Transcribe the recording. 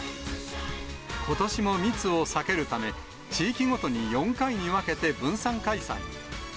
ことしも密を避けるため、地域ごとに４回に分けて分散開催に。